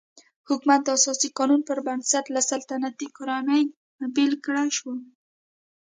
حکومت د اساسي قانون پر بنسټ له سلطنتي کورنۍ نه بېل کړای شو.